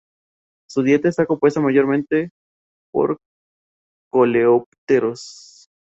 Su dieta está compuesta mayormente por coleópteros.